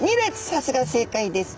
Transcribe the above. さすが正解です。